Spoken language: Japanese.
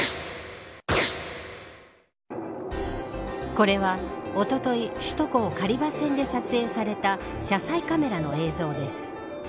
これは、おととい首都高、狩場線で撮影された車載カメラの映像です。